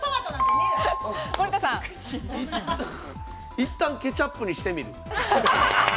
いったんケチャップにしてみる。